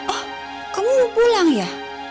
oh kamu pulang ya